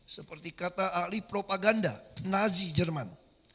seperti kata ahli propaganda nazi jerman